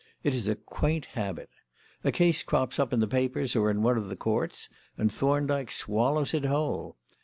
It is a quaint habit. A case crops up in the papers or in one of the courts, and Thorndyke swallows it whole.